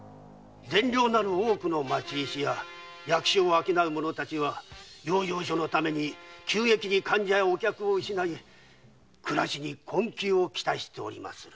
善良なる多くの町医師や薬種を商う者たちは養生所のために急激に患者や客を失い暮らしに困窮をきたしておりまする。